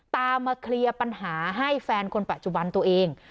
มาเคลียร์ปัญหาให้แฟนคนปัจจุบันตัวเอง